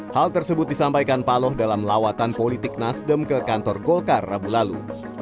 hal tersebut disampaikan paloh dalam lawatan politik nasdem ke kantor golkar rabu lalu